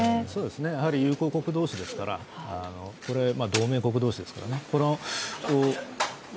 やはり友好国同士ですから、同盟国同士ですからね。